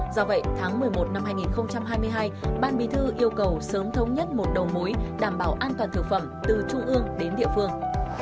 do vậy tháng một mươi một năm hai nghìn hai mươi hai ban bí thư yêu cầu sớm thống nhất một đầu mối đảm bảo an toàn thực phẩm từ trung ương đến địa phương